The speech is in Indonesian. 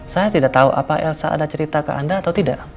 saya tidak tahu apa elsa ada cerita ke anda atau tidak